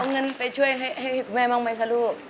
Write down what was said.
เอาเงินไปช่วยให้แม่บ้างไหมคะลูก